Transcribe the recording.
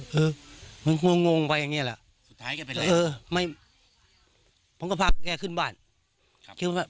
คือมึงคงงงไปอย่างเงี้แหละสุดท้ายแกเป็นอะไรเออไม่ผมก็พาแกขึ้นบ้าน